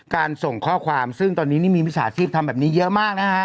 ส่งข้อความซึ่งตอนนี้นี่มีมิจฉาชีพทำแบบนี้เยอะมากนะฮะ